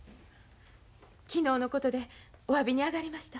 昨日のことでおわびに上がりました。